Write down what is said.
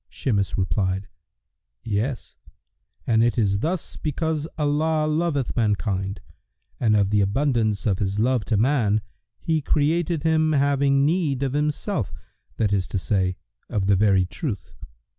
Shimas replied, "Yes: and it is thus because Allah loveth mankind, and of the abundance of His love to man He created him having need of Himself, that is to say, of the very Truth.